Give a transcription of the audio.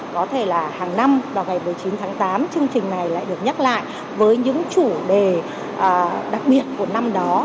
có thể là hàng năm vào ngày một mươi chín tháng tám chương trình này lại được nhắc lại với những chủ đề đặc biệt của năm đó